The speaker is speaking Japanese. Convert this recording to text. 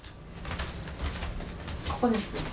ここですね。